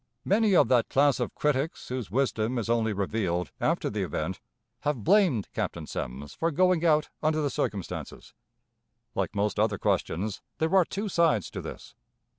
Many of that class of critics whose wisdom is only revealed after the event have blamed Captain Semmes for going out under the circumstances. Like most other questions, there are two sides to this.